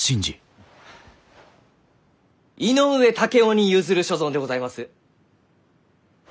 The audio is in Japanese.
井上竹雄に譲る所存でございます。